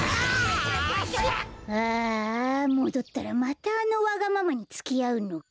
ああもどったらまたあのわがままにつきあうのか。